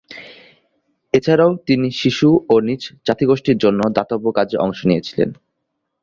এছাড়াও, তিনি শিশু ও নিজ জাতিগোষ্ঠীর জন্য দাতব্য কাজেও অংশ নিয়েছেন।